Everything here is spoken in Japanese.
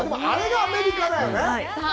あれがアメリカだよね。